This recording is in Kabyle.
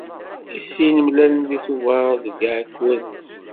I sin mlalen deg Tubeṛ deg Iɛekkuren.